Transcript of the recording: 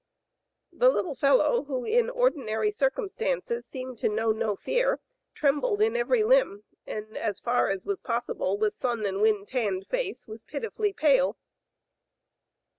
The little fellow, .who in ordinary circum stances seemed to know no fear, trembled in every limb, and as far as was possible with sun and wind tanned face was pitifully pale.